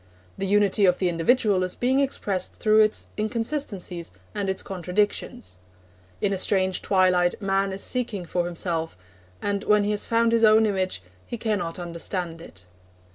The unity of the individual is being expressed through its inconsistencies and its contradictions. In a strange twilight man is seeking for himself, and when he has found his own image, he cannot understand it.